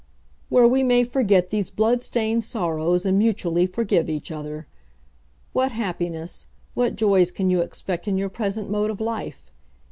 where we may forget these blood stained sorrows, and mutually forgive each other. What happiness, what joys can you expect in your present mode of life?